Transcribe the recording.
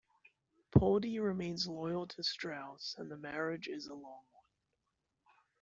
Poldi remains loyal to Strauss and the marriage is a long one.